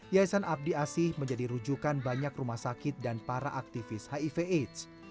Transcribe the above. yayasan abdi asih menjadi rujukan banyak rumah sakit dan para aktivis hiv aids